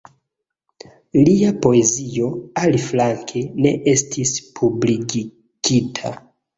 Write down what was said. Lia poezio, aliflanke, ne estis publikigita.